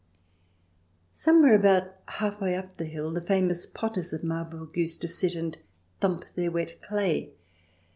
Somewhere about half way up the hill the famous potters of Marburg used to sit and thump their wet clay.